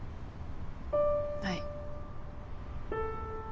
はい。